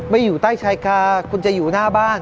อยู่ใต้ชายคาคุณจะอยู่หน้าบ้าน